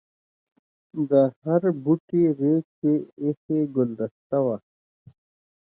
د هر بوټي غېږ کې ایښي ګلدسته وه.